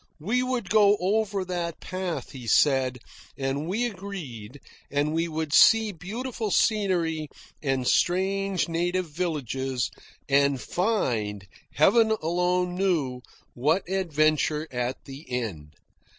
We would go over that path, he said, and we agreed, and we would see beautiful scenery, and strange native villages, and find, Heaven alone knew, what adventure at the end.